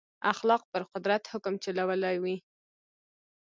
اخلاق پر قدرت حکم چلولی وي.